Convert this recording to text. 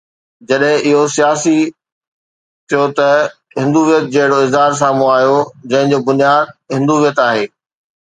جڏهن اهو سياسي ٿيو ته هندويت جهڙو اظهار سامهون آيو، جنهن جو بنياد هندويت آهي.